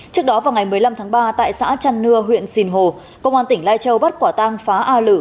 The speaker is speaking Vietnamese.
trước đó vào ngày một mươi năm tháng ba tại xã trăn nưa huyện sìn hồ công an tỉnh lai châu bắt quả tang phá a lử